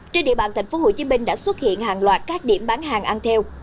trên địa bàn tp hcm đã xuất hiện hàng loạt các điểm bán hàng ăn theo